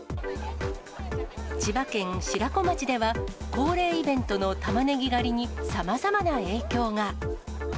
千葉県白子町では、恒例イベントのたまねぎ狩りに、さまざまな影響が。